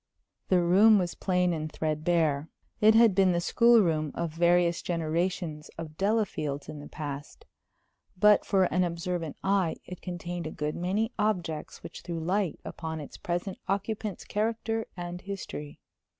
The room was plain and threadbare. It had been the school room of various generations of Delafields in the past. But for an observant eye it contained a good many objects which threw light upon its present occupant's character and history.